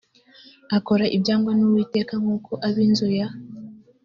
akora ibyangwa n uwiteka nk uko ab inzu ya